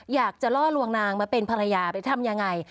อยากจะล่อลวงนางมาเป็นภรรยาไปทำยังไง